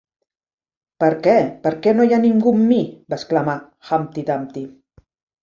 "Per què, perquè no hi ha ningú amb mi!" va exclamar Humpty Dumpty.